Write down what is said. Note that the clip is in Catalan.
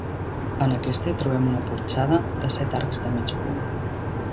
En aquesta hi trobem una porxada de set arcs de mig punt.